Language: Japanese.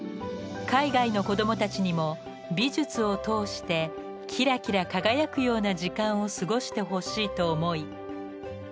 海外の子供たちにも美術を通してきらきら輝くような時間を過ごしてほしいと思い